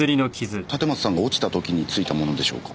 立松さんが落ちた時に付いたものでしょうか？